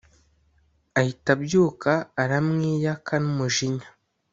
ahita abyuka aramwiyaka numujinya